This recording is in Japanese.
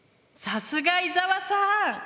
さすが伊沢さん！